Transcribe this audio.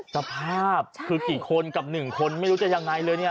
สภาพคือกี่คนกับ๑คนไม่รู้จะยังไงเลยเนี่ย